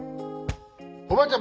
おばあちゃん